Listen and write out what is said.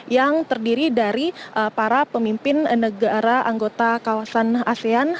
yang terdiri dari para pemimpin negara anggota kawasan asean